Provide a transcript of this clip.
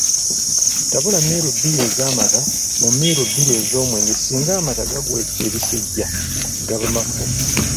Tabula miiru bbiri ez’amata mu miiru bbiri ez’omwenge singa amata gagwa ebisejja gaba mafu